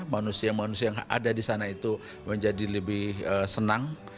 manusia manusia yang ada di sana itu menjadi lebih senang